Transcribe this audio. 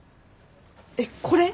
えっこれ？